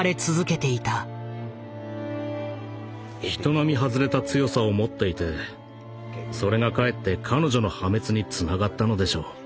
人並み外れた強さを持っていてそれがかえって彼女の破滅につながったのでしょう。